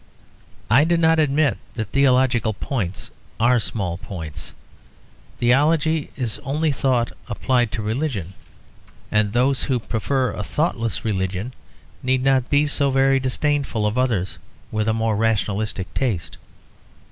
I do not admit that theological points are small points. Theology is only thought applied to religion; and those who prefer a thoughtless religion need not be so very disdainful of others with a more rationalistic taste.